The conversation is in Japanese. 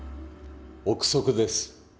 臆測です。